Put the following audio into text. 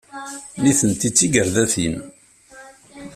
Nitenti d tigerdatin.